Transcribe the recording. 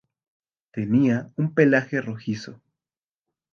Tenía un pelaje rojizo.